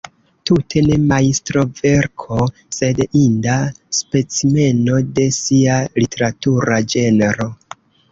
Tute ne majstroverko, sed inda specimeno de sia literatura ĝenro.